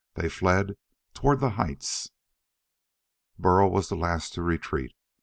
They fled toward the heights. Burl was the last to retreat.